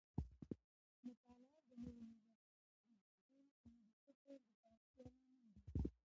مطالعه د نوو نظریاتو د زیږون او د فکر د پراختیا لامل ده.